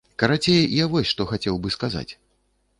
Карацей, я вось што хацеў бы сказаць.